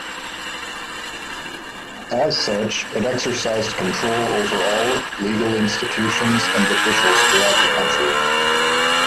As such, it exercised control over all legal institutions and officials throughout the country.